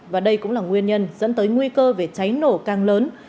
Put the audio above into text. và đây cũng là nguyên nhân dẫn tới nguy cơ về cháy nổ càng lớn